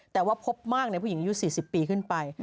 แต่ว่าพบมากในผู้หญิงอายุ๔๐ปีขึ้นไป